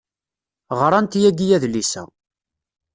Ɣrant yagi adlis-a.